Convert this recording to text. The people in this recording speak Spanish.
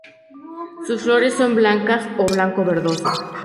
Sus flores son blancas o blanco verdoso.